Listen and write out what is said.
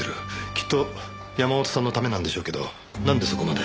きっと山本さんのためなんでしょうけどなんでそこまで。